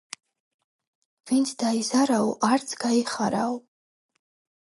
ვინც დაიზარაო, არც გაიხარაო